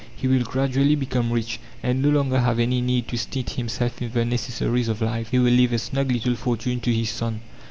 He will gradually become rich, and no longer have any need to stint himself in the necessaries of life. He will leave a snug little fortune to his son.